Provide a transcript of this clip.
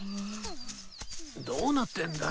どうなってんだ？